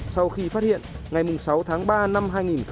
sau khi phát hiện ngày sáu tháng ba năm hai nghìn một mươi bảy